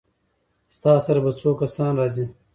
ستا سره به څو کسان راځي؟